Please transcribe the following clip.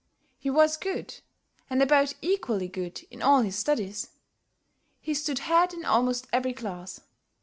He was good, and about equally good, in all his studies. He stood head in almost every class.